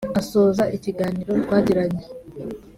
Asoza ikiganiro twagiranye